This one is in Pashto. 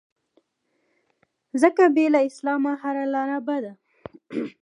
ځکه بې له اسلام هره لاره بده